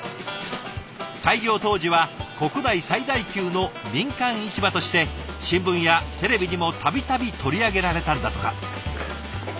開業当時は国内最大級の民間市場として新聞やテレビにも度々取り上げられたんだとか。